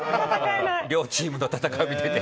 両チームの戦いを見てて。